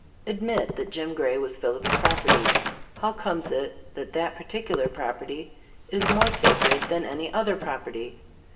Admit that Jim Gray was Phillips's property, how comes it that that particular property is more sacred than any other property?